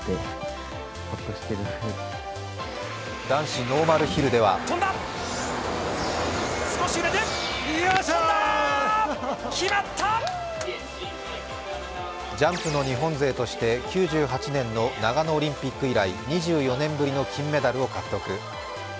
男子ノーマルヒルではジャンプの日本勢として９８年の長野オリンピック以来、２４年ぶりの金メダルを獲得。